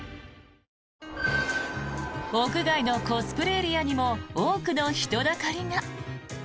屋外のコスプレエリアにも多くの人だかりが。